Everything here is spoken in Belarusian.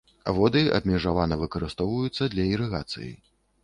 Воды абмежавана выкарыстоўваюцца для ірыгацыі.